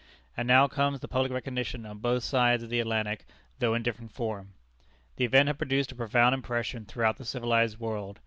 And now comes the public recognition on both sides the Atlantic, though in different form. The event had produced a profound impression throughout the civilized world.